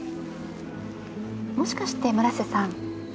もしかして村瀬さん。